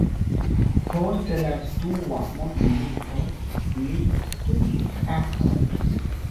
Post la dua mondmilito li studis arton.